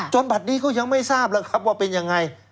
บัตรนี้ก็ยังไม่ทราบแล้วครับว่าเป็นยังไง